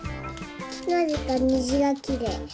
なぜかにじがきれい。